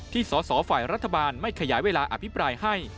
สอสอฝ่ายรัฐบาลไม่ขยายเวลาอภิปรายให้